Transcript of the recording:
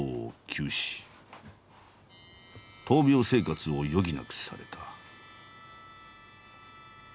闘病生活を余儀なくされた。